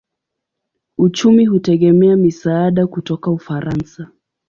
Uchumi hutegemea misaada kutoka Ufaransa.